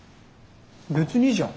別にいいじゃん。